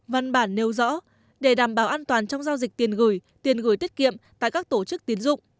văn bản nêu rõ để đảm bảo an toàn trong giao dịch tiền gửi tiền gửi tiết kiệm tại các tổ chức tiến dụng